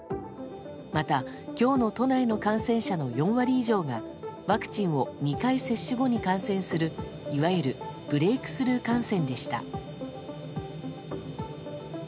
また、今日の都内の感染者の４割以上がワクチンを２回接種後に感染するいわゆるブレークスルー感染でした。